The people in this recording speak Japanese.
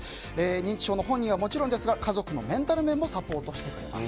認知症の本人はもちろんですが家族のメンタル面もサポートしてくれます。